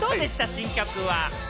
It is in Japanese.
新曲は。